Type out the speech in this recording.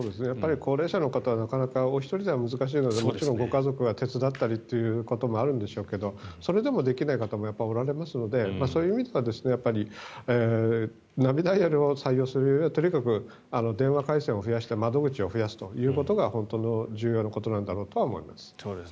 高齢者の方はなかなかお一人では難しいのでご家族が手伝ったりということはあるんでしょうけれどそれでもできない方もおられますのでそういう意味ではナビダイヤルを採用するよりはとにかく電話回線を増やして窓口を増やすということが本当の重要なことなんだろうとは思います。